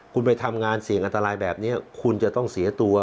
คุณไปทำงานเสี่ยงอันตรายแบบนี้คุณจะต้องเสียตัว